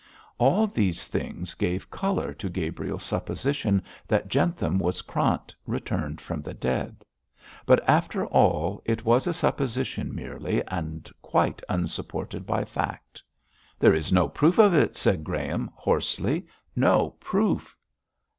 All these things gave colour to Gabriel's supposition that Jentham was Krant returned from the dead; but after all it was a supposition merely, and quite unsupported by fact. 'There is no proof of it,' said Graham, hoarsely; 'no proof.'